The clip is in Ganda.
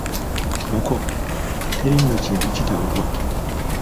Muko, teri nno kintu kitaggwa.